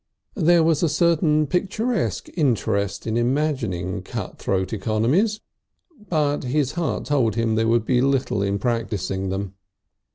There was a certain picturesque interest in imagining cut throat economies, but his heart told him there would be little in practising them.